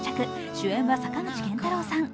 主演は坂口健太郎さん。